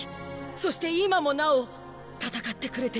そして今もなお戦ってくれています。